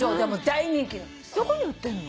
どこに売ってるの？